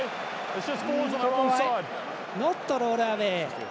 ノットロールアウェイ。